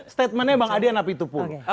statementnya bang adian apitupul